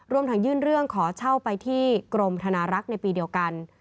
ยื่นเรื่องขอเช่าไปที่กรมธนารักษ์ในปีเดียวกัน